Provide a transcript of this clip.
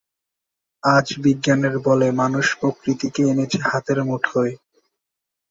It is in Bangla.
আজ বিজ্ঞানের বলে মানুষ প্রকৃতিকে এনেছে হাতের মুঠোয়।